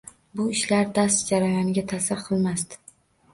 Bu ishlar dars jarayoniga ta’sir qilmasdi.